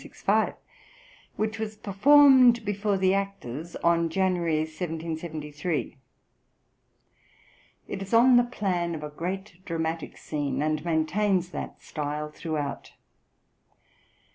which was performed before the actors on January, 1773. It is on the plan of a great dramatic scene, and maintains that style throughout.